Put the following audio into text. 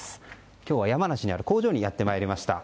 今日は山梨にある工場にやってまいりました。